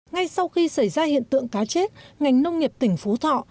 ngay sau khi xảy ra hiện tượng cá chết ngành nông nghiệp tỉnh phú thọ